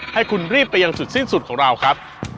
ให้คุณรีบไปยังจุดสิ้นสุดของเราครับ